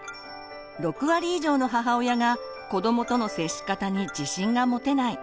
６割以上の母親が子どもとの接し方に自信が持てない。